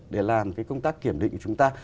để làm cái công tác kiểm định của chúng ta